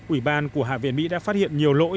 ủy ban của hạ viện mỹ đã phát hiện nhiều lỗi